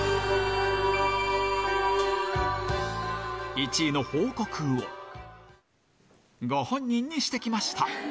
１位の報告を、ご本人にしてきました。